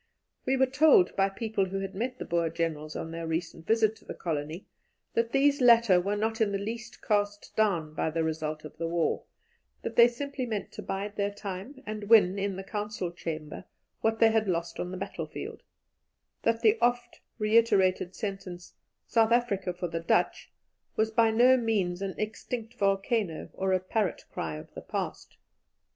We were told, by people who had met the Boer Generals on their recent visit to the colony, that these latter were not in the least cast down by the result of the war; that they simply meant to bide their time and win in the Council Chamber what they had lost on the battle field; that the oft reiterated sentence, "South Africa for the Dutch," was by no means an extinct volcano or a parrot cry of the past.